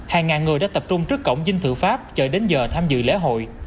hàng ngàn người đã tập trung trước cổng dinh thự pháp chờ đến giờ tham dự lễ hội